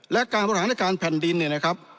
และการประหลาดการณ์แผ่นดินเนี่ยนะครับ